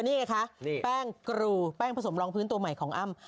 นี่ไงคะแป้งกรูแป้งผสมรองพื้นตัวใหม่ของอ้ำ